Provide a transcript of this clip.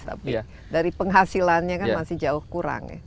tapi dari penghasilannya kan masih jauh kurang ya